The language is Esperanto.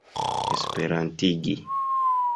esperantigi